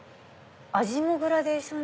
味もグラデーションに？